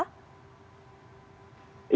di semua kabupaten dan kota